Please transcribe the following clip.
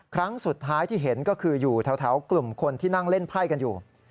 ครั้งสุดท้ายที่เห็นก็คืออยู่แถวกลุ่มคนที่นั่งเล่นไพ่กันอยู่